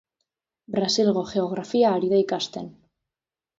Brasilgo geografia ari dira ikasten.